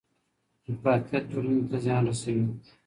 افراطیت ټولني ته زیان رسوي.